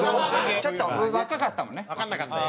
ちょっと若かったもんね。